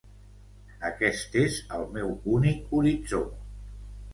Aquest és el meu únic horitzó.